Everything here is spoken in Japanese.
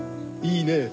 いいね。